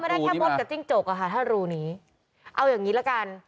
น่าจะต้องไม่ได้แค่บดกับจิ้งจกอะค่ะถ้ารูนี้เอาอย่างงี้ละกัน